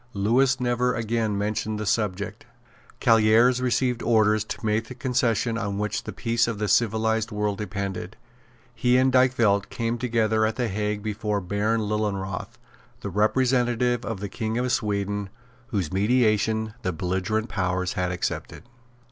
Lewis never again mentioned the subject. Callieres received orders to make the concession on which the peace of the civilised world depended. He and Dykvelt came together at the Hague before Baron Lilienroth, the representative of the King of Sweden, whose mediation the belligerent powers had accepted.